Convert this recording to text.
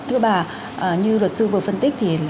thưa bà như luật sư vừa phân tích